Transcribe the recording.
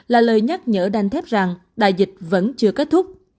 là lời nhắc nhở đanh thép rằng đại dịch vẫn chưa kết thúc